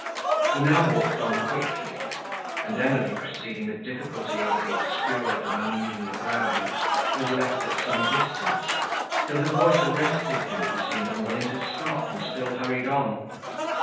He now walked on quickly, and Emily, proceeding with difficulty over the obscured and uneven ground, was left at some distance, till her voice arrested him, who seemed unwilling to stop, and still hurried on.